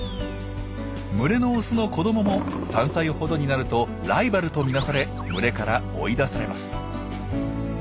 群れのオスの子どもも３歳ほどになるとライバルと見なされ群れから追い出されます。